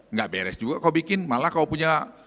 enggak beres juga kau bikin malah kau punya